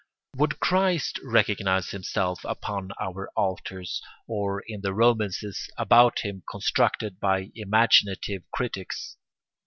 Would Christ recognise himself upon our altars, or in the romances about him constructed by imaginative critics?